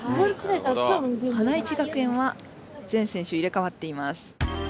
花一学園は全選手入れかわっています。